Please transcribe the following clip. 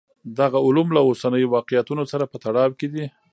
دغه علوم له اوسنیو واقعیتونو سره په تړاو کې دي.